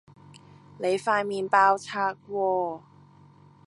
你塊面爆冊喎